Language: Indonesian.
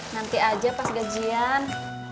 nanti aja pas gajian